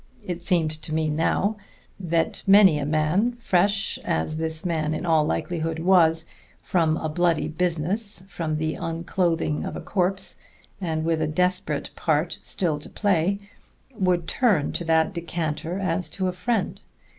It seemed to me now that many a man fresh, as this man in all likelihood was, from a bloody business, from the unclothing of a corpse, and with a desperate part still to play would turn to that decanter as to a friend.